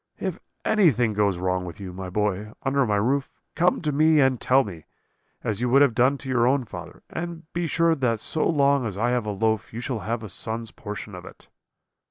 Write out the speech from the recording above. If anything goes wrong with you, my boy, under my roof, come to me and tell me, as you would have done to your own father, and be sure that so long as I have a loaf you shall have a son's portion of it.'